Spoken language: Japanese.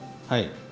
はい。